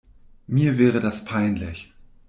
Mir wäre das peinlich.